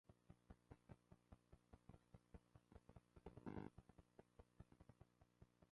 Es la historia de Liliana y Valentina, hermanas gemelas separadas al nacer.